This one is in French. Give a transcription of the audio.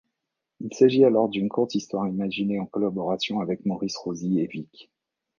Il s'agit alors d'une courte histoire imaginée en collaboration avec Maurice Rosy et Vicq.